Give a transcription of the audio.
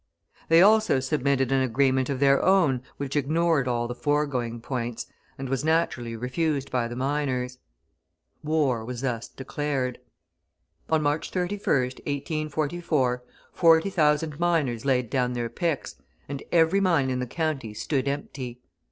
They also submitted an agreement of their own which ignored all the foregoing points, and was, naturally, refused by the miners. War was thus declared. On March 31st, 1844, 40,000 miners laid down their picks, and every mine in the county stood empty.